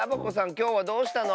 きょうはどうしたの？